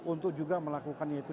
untuk juga melakukan yaitu